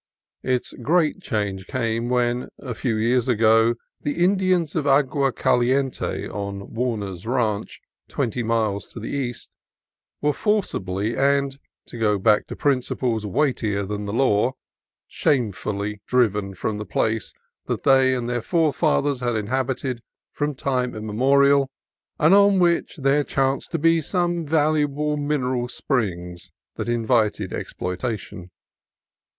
Its great change came when a few years ago the Indians of Agua Caliente, on Warner's Ranch, twenty miles to the east, were forcibly and (to go back to principles weightier than the law) shame fully driven from the place that they and their fore fathers had inhabited from time immemorial, and on which there chanced to be some valuable mineral springs that invited exploitation.